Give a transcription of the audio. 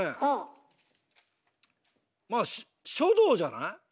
まあ書道じゃない？